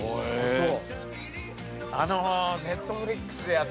そう